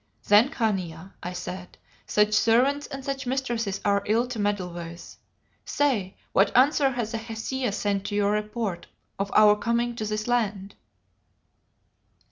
"Then, Khania," I said, "such servants and such mistresses are ill to meddle with. Say, what answer has the Hesea sent to your report of our coming to this land?"